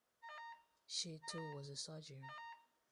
She too was a surgeon.